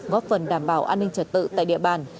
góp phần đảm bảo an ninh trật tự tại địa bàn